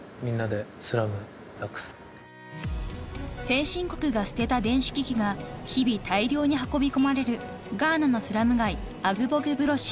［先進国が捨てた電子機器が日々大量に運び込まれるガーナのスラム街アグボグブロシー］